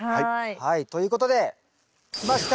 はいということできました！